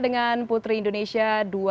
dengan putri indonesia dua ribu dua puluh dua